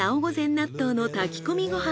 納豆の炊き込みご飯